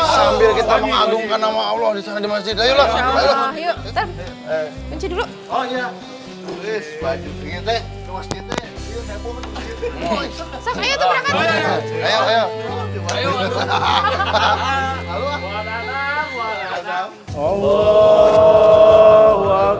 sambil kita mengagumkan nama allah disana di masjid ayo lah